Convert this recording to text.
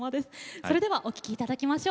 それではお聴きいただきましょう。